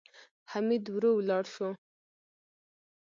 حميد ورو ولاړ شو.